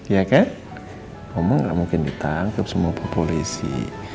iya kan oma gak mungkin ditangkap sama pak polisi